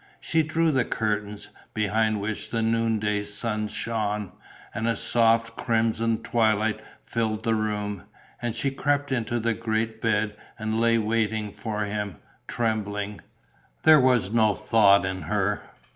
She drew the curtains, behind which the noonday sun shone; and a soft crimson twilight filled the room. And she crept into the great bed and lay waiting for him, trembling. There was no thought in her.